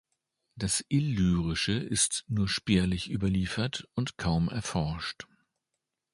Das Illyrische ist nur spärlich überliefert und kaum erforscht.